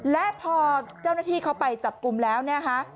และพอเจ้าหน้าที่เขาไปจับกลุ่มแล้วเนี่ยฮะ